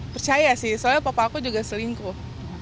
percaya sih soalnya papa aku juga selingkuh